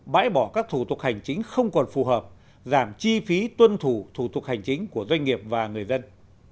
bãi bỏ các thủ tục hành chính không còn phù hợp giảm chi phí tuân thủ thủ tục hành chính của doanh nghiệp và người dân